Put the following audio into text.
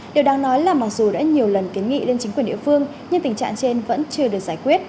điều đáng nói là mặc dù đã nhiều lần kiến nghị lên chính quyền địa phương nhưng tình trạng trên vẫn chưa được giải quyết